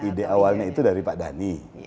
ide awalnya itu dari pak dhani